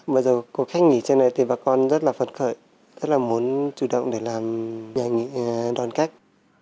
bây giờ có khách nghỉ trên này thì bà con rất là phận khởi rất là muốn chủ động để làm nhà nghỉ đòn cách